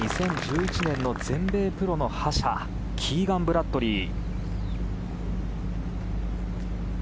２０１１年の全米プロの覇者キーガン・ブラッドリー。